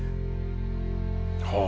はあ。